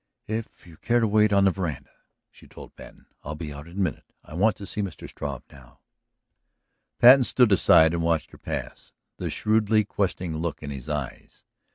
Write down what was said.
"If you care to wait on the veranda," she told Patten, "I'll be out in a minute. I want to see Mr. Struve now." Patten stood aside and watched her pass, the shrewdly questioning look in his eyes.